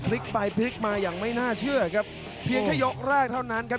พลิกไปพลิกมาอย่างไม่น่าเชื่อครับเพียงแค่ยกแรกเท่านั้นครับ